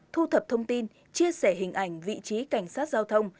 thu thập thông tin chia sẻ hình ảnh vị trí cảnh sát giao thông